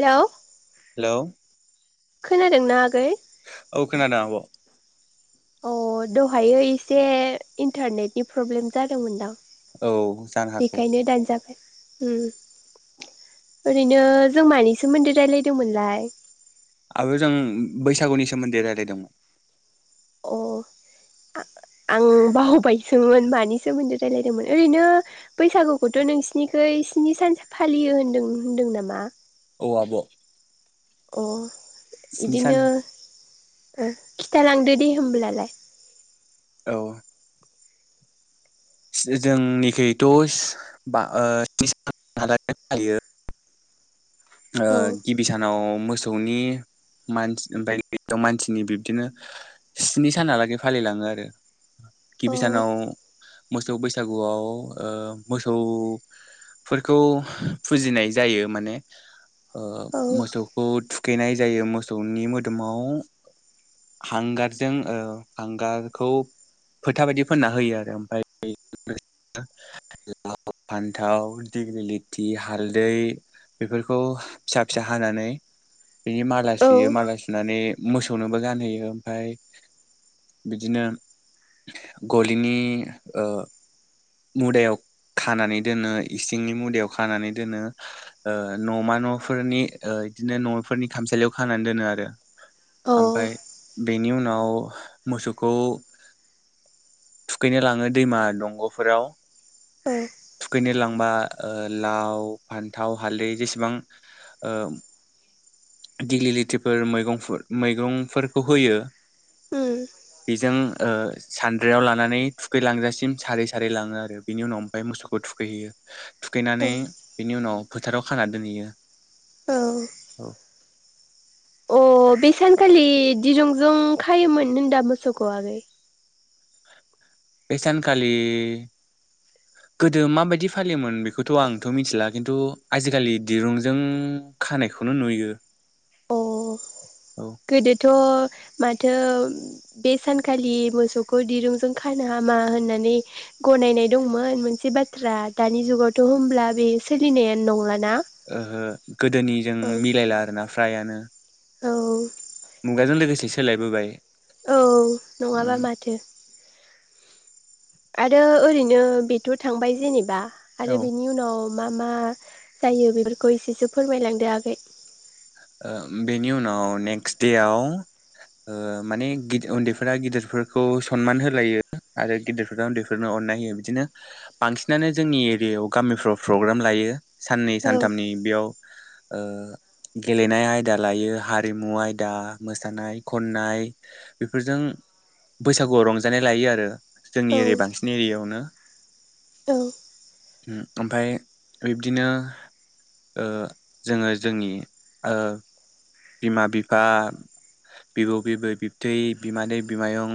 Hello hello खोनादोंना आग औ खोनादों आब'। अ दहायो एसे इन्टारनेटनि प्रब्लेम जादोंमोनदां औ जानो हागौ बेखायनो दानजाबाय उम ओरैनो जों मानि सोमोन्दै रायलायदोंमोनलाय? आब' जों बैसागुनि सोमोन्दै रायलायदोंमोन। अ आ आं बावबायसोमोन मानि सोमोन्दै रायलायदोंमोन ओरैनो बैसागुखौथ' नोंसिनिखै इ सिनि सानस फालियो होनदों होनदों नामा? औ आब' अ स्नि सान इदिनो ओ खिथालांदो दे होमब्लालाय औ सो जोंनिखैथ'स बा ओ स्नि सान हालागै फालियो। ओ औ गिबि सानाव मोसौनि मानस ओमफाय बे [unintelligible] मानसिनि बिब्दिनो स्नि सानहालागै फालिलाङो आरो औ गिबि सानाव मोसौ बैसागुआव ओ मोसौ फोरखौ फुजिनाय जायो माने ओ औ मोसौखौ थुखैनाय जायो मोसौनि मोदोमाव हांगारजों ओ हांगारखौ फोथा बायदि फोनना होयो आरो ओमफ्राय [unintelligible] लाव, फान्थाव, दिग्लि लिथि, हालदै बेफोरखौ फिसा फिसा हानानै बिनि माला औ सुयो माला सुनानै मोसौनोबो गानहोयो ओमफाय बिदिनो गलिनि ओ मुदायाव खानानै दोनो इसिंनि मुदायाव खानानै दोनो ओ न'मा न'फोरनि ओ बिदिनो न'फोरनि खामसालियाव खानानै दोनो आरो औ ओमफाय बेनि उन नाव मोसौखौ थुखैनो लाङो दैमा दंग'फ फोराव औ। लांबा लाव फान्थाव हालदै जेसेबां ओ दिगलि लिथिफोर मैगं फोर मैगं फोरखौ होयो उम बेजों ओ सानद्रियाव लानानै थुखैलांजासिम सारै सारै लाङो आरो बेनि उनाव मफाय मोसौखौ थुखैहैयो थुखैनानै औ बेनि उनाव फोथाराव खाना दोनहैयो औ औ। अ बे सानखालि दिरुंजों खायोमोन होनदा मोसौखौ? बेसानखालि [inaudible] गोदो माबायदि फालियोमोन बेखौथ' आंथ' मिथिला खिन्थु आजिखालि दिरुंजों खानायखौ बेखौनो नुयो। अह। औ गोदोथ' माथो बे सानखालि मोसौखौ दिरुंजों खानो हाम मा होननानै गनायनाय दंमोन मोनसे बाथ्रा दानि जुगावथ' होम्ला बियो सोलिनो ए नंला। ओहो गोदोनिजों मिलायला आरोना फ्रायानो औ। मुगाजों लोगोसे सोलायबोबाय। औ नङाबा उम माथो। आरो ओरैनो बेथ' थांबाय जेनेबा औ आरो बेनि उनाव मा मा जायो बेफोरखौ इसेसो फोरमायलांदो आगै ओ बेनि उनाव नेक्स्ट देआव ओ माने उन्दैफोरा गिदिरफोरखौ सन्मान होलायो आरो गेदेरफोरा उन्दैफोरनो अन अननाय होयो बिदिनो बांसिनानो जोंनि एरियायाव गामिफ्राव प्रग्राम लायो। सान्नै औ सानथामनि बेयाव ओ गेलेनाय आयदा लायो हारिमु आयदा मोसानाय खन्नाय बेफोरजों बैसागुआव रंजानाय लायो आरो औ जोंनि एरि बांसिन एरियायावनो औ। उम ओमफाय बिब्दिनो ओ जोङो जोंनि ओ बिमा बिफा बिबौ बिबै, बिबथै, बिमानै, बिमायं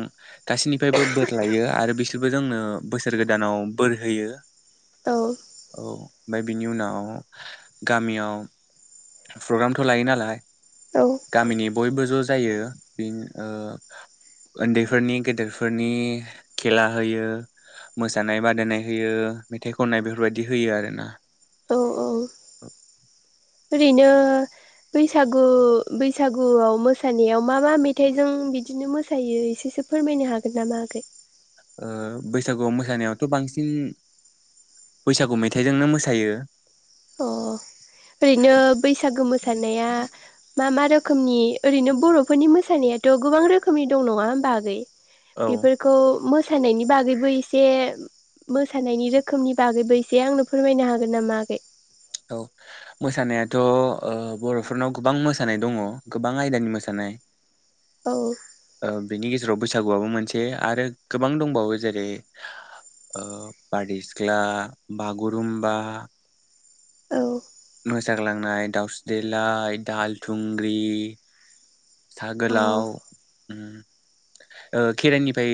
गासैनिफायबो बोर लायो आरो बिसोरबो जों जोंनो बोसोर गोदानाव बोर होयो। औ ओमफाय बिनि उनाव गामियाव प्रग्रामथ' लायो नालाय औ गामिनि बयबो ज' जायो बे ओ उन्दैफोरनि गेदेरफोरनि खेला होयो मोसानाय बादायनाय होयो। मेथाइ खननाय बेफोरबायदि होयो आरो ना। औ औ औ। ओरैनो बैसागु बैसागुआव मोसानायाव मा मा मेथाइजों बिदिनो मोसायो एसे एसे फोरमायनो हागोन नामा आगै? ओ बैसागुआव मोसानायावथ' बांसिन बैसागु मेथाइजोंनो मोसायो। अ ओरैनो बैसागो मोसानाया मा मा रोखोमनि ओरैनो बरफोरनि मोसानायाथ गोबां रोखोमनि दं नंङा होमबा आगै? औ बेफोरखौ मोसानायनि बागैबो एसे मोसानायनि रोखोमनि बागैबो एसे आंनो फोरमायनो हागोन नामा आगै? औ मोसानायाथ बरफोरनाव गोबां मोसानाय दंङ गोबां आयदानि मोसानाय औ नाय ओ बेनि गेज जेराव बैसागुआबो मोनसे आरो गोबां दंबावो जेरै- ओ बारदै सिख्ला बागुरुम्बा औ मोसाग्लांनाय दाउस्रि देलाय दाहाल थुंग्रि सा अ गोलाव ओम केरायनिफ्राय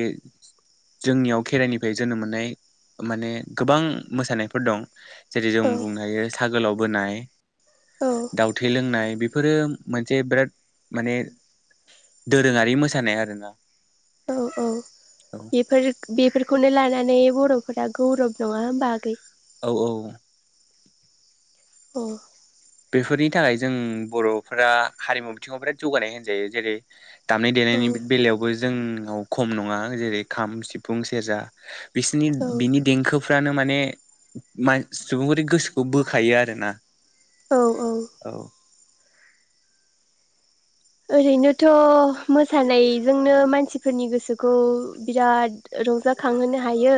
जोंनियाव खेराइनिफ्राय जोनोम मोननाय माने गोबां मोसानायफोर दं जेरै- जों औ बुंनो हायो सा गोलाव बोनाय औ दाउ थै लोंनाय बेफोरो मोनसे बिराद माने दोरोङारि मोसानाय आरोना औ औ औ बेफोर बेफोरखौनो लानानै बर'फोरा गौरब नङा होमबा आगै औ औ औ बेफोरनि थाखाय जों बर'फोरा हारिमु बिथिङाव बिराद जौगानाय होनजायो जेरै- दामनाय औ देनायनि बेलायावबो जोंनाव खम नङा जेरै- खाम सिफुं सेरजा बिसिनि औ बिनि देंखो फ्रानो माने मान सुबुंफोरनि गोसोखौ बोखायो आरोना औ औ ओरैनोथ' मोसानायजोंनो मानसिफोरनि गोसोखौ बिराद रंजाखांहोनो हायो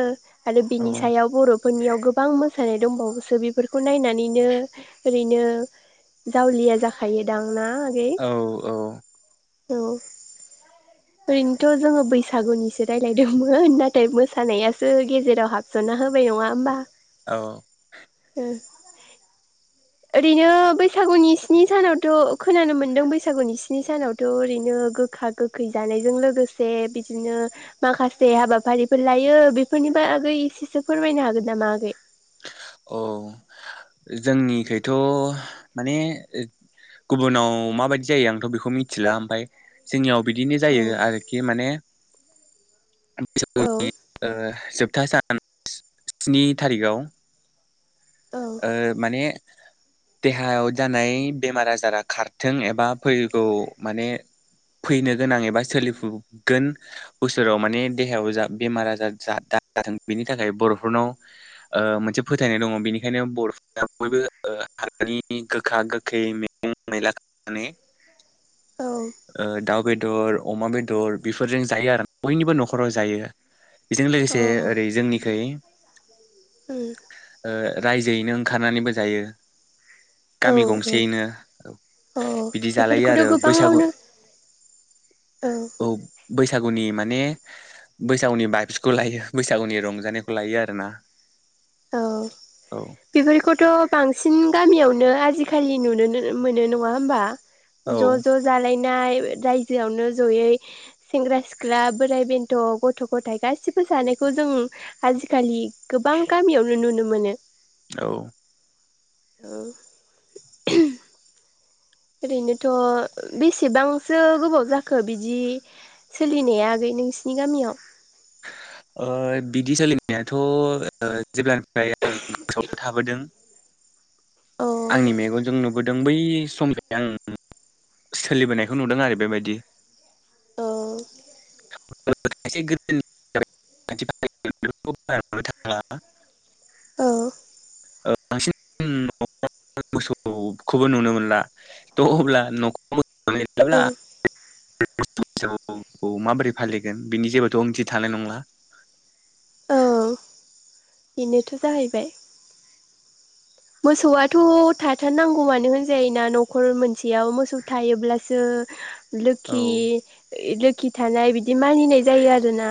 आरो औ बिनि सायाव बर' फोरनियाव गोबां मोसानाय दंबावोसो बेफोरखौ नायनानैनो ओरैनो जावलिया जाखायोदां ना आगै औ औ औ ओरैनोथ' जोंङो बैसागुनिसो रायज्लायदोंमोन नाथाय मोसानायासो गेजेराव हाबस'नना होबाय नङा होमबा औ ओ ओरैनो बैसागुनि स्नि सानावथ' खोनानो मोनदों बैसा सागुनि स्नि सानावथ' ओरैनो गोखा गोखै जानायजों लोगोसे बिदिनो माखासे जे हाबाफारिफोर लायो बेफोरनि बागै एसेसो फोरमायनो हागोन नामा आगै? औ जोंनिखैथ' माने गुबुनाव माबायदि जायो आंथ' बेखौ मिथिला ओमफाय जोंनियाव बिदिनो औ जायो आरोखि माने बैसागुनि ओ जोबथा सान स्नि थारिखआव औ ओ माने [unintelligible] देहायाव जानाय बेमार आजारा खारथों एबा फैगौ माने फैनो गोनां एबा सोलिफुगोन बोसोराव माने देहायाव जा बेमार आजार जा दा जाथों बेनि थाखाय बर'फोरनाव ओ मोनसे फोथायनाय दङ बेनि खायनो बर'फोरा बयबो ओ [unintelligible] गोखा गोखै मैगं मैला [unintelligible] [unintelligible] औ ओ दाउ बेदर अमा बेदर बेफोरजों जायो आरो बयनिबो न'खराव जायो। बेजों औ अ लोगोसे ओरै जोंनिखै ओम ओ रायजोयैनो ओंखारनानैबो जायो। औ गामि गंसेयैनो औ औ अ बिदि जालायो आरो बेफोरखौथ' बैसागु गोबाङावनो औ बैस सागुनि माने बैसागुनि बाइफ्सखौ लायो बैसागुनि रंजानायखौ लायो आरो ना औ बेफोरखौथ' बांसिन गामियावनो नो आजिखालि नुनोनो मोनो नङा होमबा औ ज ज जालाय नाय रायजोआवनो जयै सेंग्रा सिख्ला बोराय बेन्थ' गथ' गथाय गासिबो जानायखौ जों आजिखालि गोबां गामियावनो नुनो मोनो। औ। औ। ओरैनोथ' बेसेबांसो गोबाव जाखो बिदि सोलिनाया आगै नोंसिनि गामियाव? ओ बिदि सोलिनायाथ' जेब्लानिफ्राय आं गोसोयाव थाबोदों आंनि जोंनियाव मेगनजों नुबो दों बै सम जाय आं सोलिबोनायखौ नुदों आरो बेबायदि। औ। [unintelligible] हा? औ। [unintelligible] मोसौखौबो नुनो मोनला थ अब्ला नखौबो औ [unintelligible] औ माबोरै फालिगोन बिनि जेबोथ' ओंथि थानाय नंला। औ बेनोथ' जाहैबाय। मोसौआथ' थाथारनांगौ मानो होनजायोना न'खर मोनसेयाव मोसौ थायोब्लासो औ लोखि लोखि थानाय बिदि मानिनाय जायो आरोना।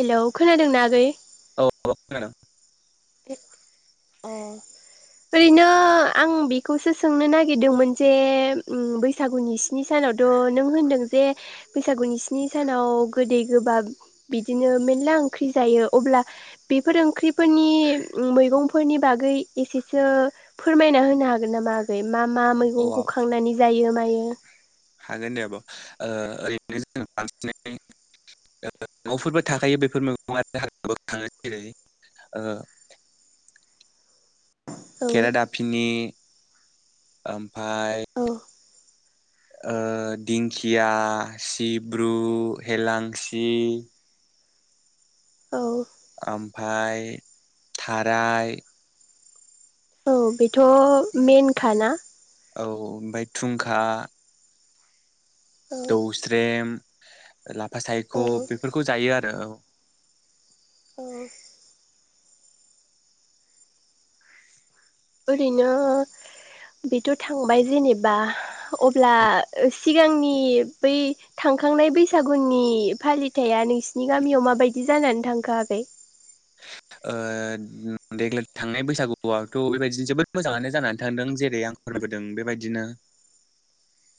हेलौ खोनादोंना आगै? औ खोनादों। औ। ओरैनो आं बेखौसो सोंनो नागिरदोंमोन जे बैसागुनि स्नि सानाव थ नों होनदों जे बैसागुनि स्नि सानाव गोदै गोबाब बिदिनो मेनला ओंख्रि जायो अब्ला बेफोर ओंख्रिफोरनि मैगंफोरनि बागै एसेसो फोरमायना होनो हागोन नामा आगै? मा मा औ मैगंखौ खांनानै जायो मायो। हागोन दे आब' ओ ओरैनो जों बांसिनै न'फोरबो थाखायो बैफोर मैगंआ [unintelligible] ओ औ केरा दाफिनि ओमफाय औ ओ दिंखिया सिब्रु हेेलांसि औ। ओमफाय थाराय औ बेथ' मेन खाना। औ ओमफ्राय थुंखा औ दौस्रेम लाफा सायख' औ बेफोरखौ जायो आरो औ। औ। ओरैनो बेथ' थांबाय जेनेबा अब्ला सिगांनि बै थां खांनाय बैसागुनि फालिथायाइआ नोंसिनि गामियाव माबायदि जानानै थांखो आगै? [inaudible] ओ देग्लाय थांनाय बैसागुआवथ' बेबायदिनो जोबोद मोजाङानो जानानै थांदों जेरै आं होबोदों बेबायदिनो [inaudible]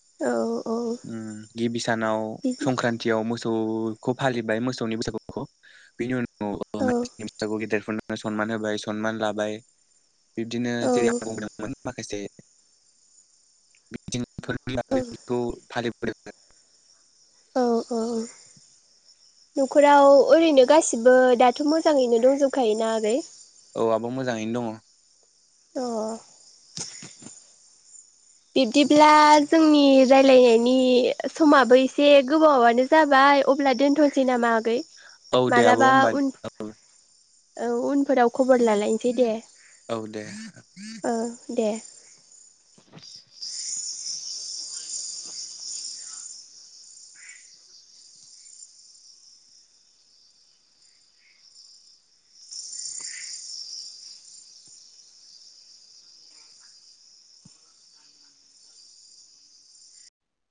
औ उम गिबि सानाव बिदि संख्रान्थियाव मोस सौखौ फालिबाय मोसौनि बैसागुखौ बिनि उनाव औ [unintelligible] गेदेरफोरनोनो सनमान होबाय सनमान लाबाय बिब्दिनो औ जेरै आं बुंदोंमोन माखासे बिथिं फोर [unintelligible] फालिबोदों औ औ न'खराव ओरैनो गासिबो दाथ' मोजाङैनो दंजोबखायोना आगै? औ आब' मोजाङैनो दङ'। अ। बिब्दिब्ला जोंनि रालायनायनि समाबो एसे गोबावानो जाबा आइ अब्ला दोनथ'नोसै नामा आगै औ दे आब' मालाबा होमबा उन फ औ उनफोराव खबर लालायनोसै दे। औ दे ओ दे